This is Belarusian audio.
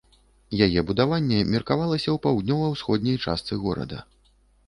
Яе будаванне меркавалася ў паўднёва-ўсходняй частцы горада.